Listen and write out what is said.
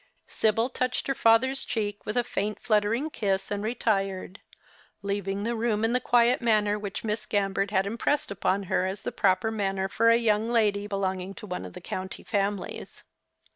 Sibyl touched her father's cheek with a faint fluttering kiss and retired, leaving the room in the quiet manner which Miss Gambert had impressed upon her as the proper manner for a young lady belonging to one of the county families.